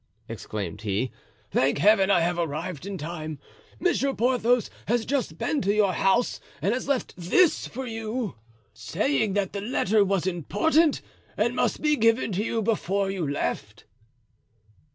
exclaimed he, "thank Heaven I have arrived in time. Monsieur Porthos has just been to your house and has left this for you, saying that the letter was important and must be given to you before you left."